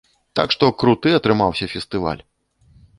Так што круты атрымаўся фестываль!